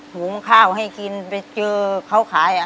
หุงข้าวให้กินไปเจอเขาขาย